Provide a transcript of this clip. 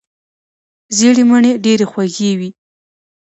ژیړې مڼې ډیرې خوږې وي.